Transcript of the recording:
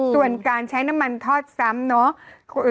ตรวจการใช้น้ำมันทอดสัมย์เนอะ